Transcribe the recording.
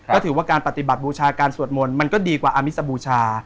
ก็ถือว่าการปฏิบัติบูชาการสวดมนต์มันก็ดีกว่าอามิสบูชา